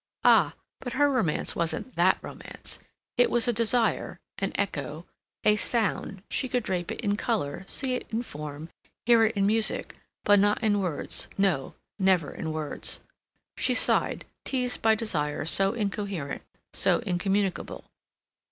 Ah, but her romance wasn't that romance. It was a desire, an echo, a sound; she could drape it in color, see it in form, hear it in music, but not in words; no, never in words. She sighed, teased by desires so incoherent, so incommunicable.